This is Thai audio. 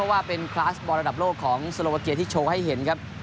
ว่าเป็นคลาสบอลระดับโลกของโซโลวาเกียที่โชว์ให้เห็นครับ